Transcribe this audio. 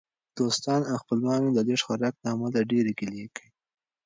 دوستان او خپلوان مې د لږ خوراک له امله ډېرې ګیلې کوي.